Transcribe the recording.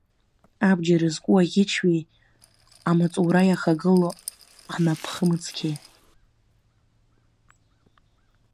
Абџьар зку аӷьычҩи амаҵура иахагылоу анапхымыцқьеи.